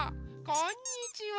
こんにちは！